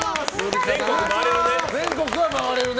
全国は回れるね。